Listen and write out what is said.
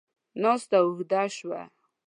ناسته اوږده شوه.